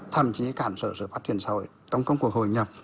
thậm chí cản trở sự phát triển xã hội trong công cuộc hội nhập